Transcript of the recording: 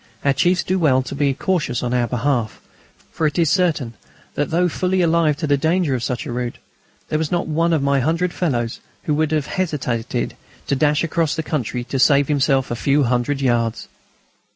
Our chiefs do well to be cautious on our behalf, for it is certain that, though fully alive to the danger of such a route, there was not one of my hundred fellows who would have hesitated to dash across country just to save himself a few hundred yards.